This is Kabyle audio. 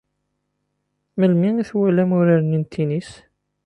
Melmi i twalam urar-nni n tennis?